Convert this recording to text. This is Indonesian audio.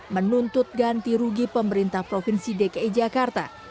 menuntut ganti rugi pemerintah provinsi dki jakarta